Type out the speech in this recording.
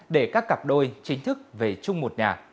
để các cặp đôi chính thức về chung một nhà